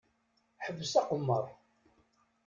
Ḥbes aqemmeṛ!